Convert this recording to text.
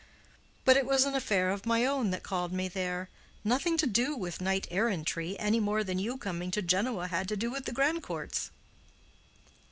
But it was an affair of my own that called me there—nothing to do with knight errantry, any more than you coming to Genoa had to do with the Grandcourts."